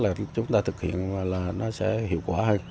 lúc đó là chúng ta thực hiện là nó sẽ hiệu quả hơn